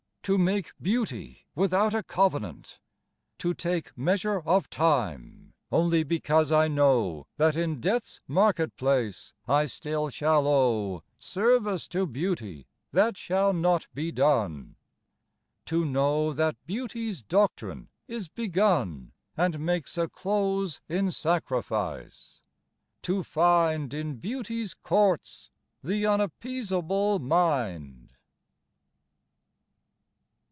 To make Beauty without a Covenant; to take Measure of time only because I know That in death's market place I still shall owe Service to beauty that shall not be done; To know that beauty's doctrine is begun And makes a close in sacrifice; to find In beauty's courts the unappeasable mind.